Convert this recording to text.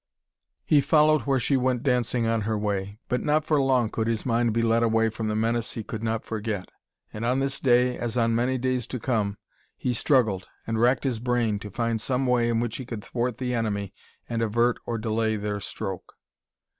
He followed where she went dancing on her way, but not for long could his mind be led away from the menace he could not forget. And on this day, as on many days to come, he struggled and racked his brain to find some way in which he could thwart the enemy and avert or delay their stroke.